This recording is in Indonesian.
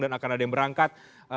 dan akan ada yang berangkat